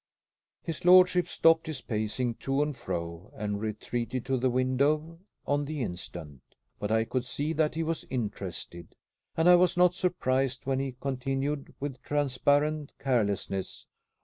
His lordship stopped his pacing to and fro, and retreated to the window on the instant. But I could see that he was interested, and I was not surprised when he continued with transparent carelessness.